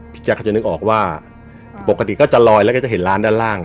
แจ๊คจะนึกออกว่าปกติก็จะลอยแล้วก็จะเห็นร้านด้านล่าง